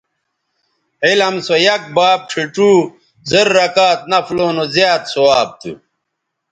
علم سویک باب ڇھیڇوزررکعت نفلوں نو زیات ثواب تھو